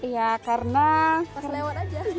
ya karena akan lewat aja